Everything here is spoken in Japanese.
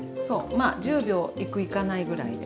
まあ１０秒いくいかないぐらいで。